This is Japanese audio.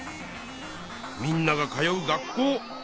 みんなが通う学校。